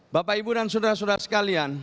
bapak ibu dan saudara saudara sekalian